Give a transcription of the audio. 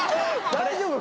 大丈夫？